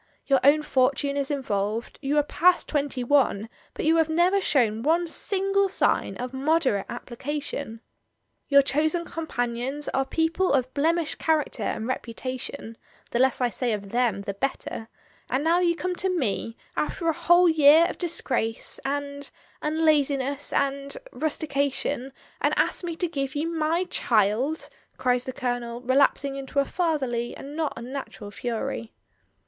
Your own fortune is involved, you are past twenty one, but you have never shown one single sign of moderate application. Your chosen companions are people of blemished cha racter and reputation — the less I say of them the better — and now you come to me, after a whole year of disgrace and — and laziness and — rustica tion, and ask me to give you my child," cries the Colonel, relapsing into a fatherly and not unnatural fury.